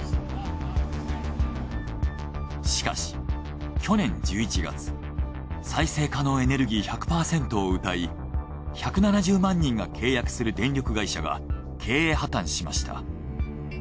しかし去年１１月再生可能エネルギー１００％をうたい１７０万人が契約する電力会社が経営破綻しました。